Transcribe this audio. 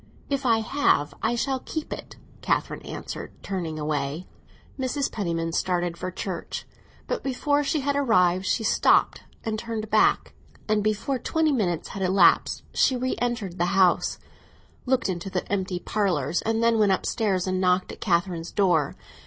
"If I have, I shall keep it!" Catherine answered, turning away. Mrs. Penniman started for church; but before she had arrived, she stopped and turned back, and before twenty minutes had elapsed she re entered the house, looked into the empty parlours, and then went upstairs and knocked at Catherine's door.